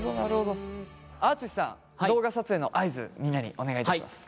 あああつしさん動画撮影の合図みんなにお願いいたします。